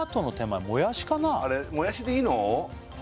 あれもやしでいいの？